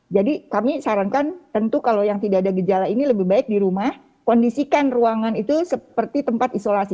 jadi kami sarankan tentu kalau yang tidak ada gejala ini lebih baik di rumah kondisikan ruangan itu seperti tempat isolasi